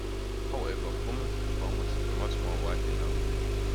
However women performers were much more widely known.